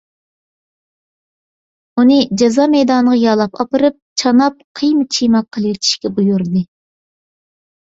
ئۇنى جازا مەيدانىغا يالاپ ئاپىرىپ، چاناپ قىيما - چىيما قىلىۋېتىشكە بۇيرۇدى.